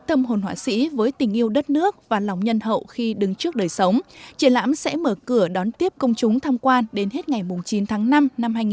tâm hồn họa sĩ với tình yêu đất nước và lòng nhân hậu khi đứng trước đời sống triển lãm sẽ mở cửa đón tiếp công chúng tham quan đến hết ngày chín tháng năm năm hai nghìn hai mươi